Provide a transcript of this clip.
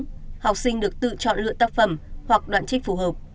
trước đây học sinh được tự chọn lựa tác phẩm hoặc đoạn trích phù hợp